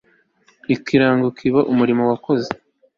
ikirango kibe umurimo wakoze